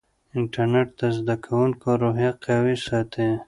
انټرنیټ د زده کوونکو روحیه قوي ساتي.